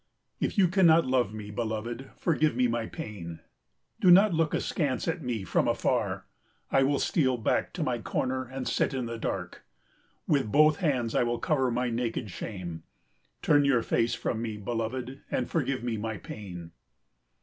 If you cannot love me, beloved, forgive me my pain. Do not look askance at me from afar. I will steal back to my corner and sit in the dark. With both hands I will cover my naked shame. Turn your face from me, beloved, and forgive me my pain.